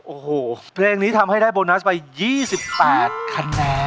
โอ้โหเพลงนี้ทำให้ได้โบนัสไป๒๘คะแนน